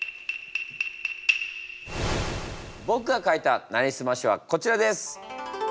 僕が書いた「なりすまし」はこちらです。